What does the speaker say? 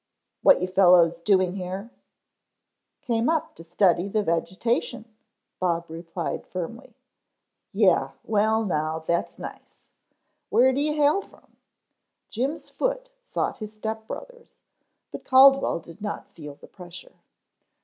"What you fellows doing here?" "Came up to study the vegetation," Bob replied firmly. "Yeh. Well now, that's nice. Where do you hail from?" Jim's foot sought his step brother's, but Caldwell did not feel the pressure.